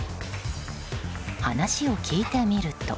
話を聞いてみると。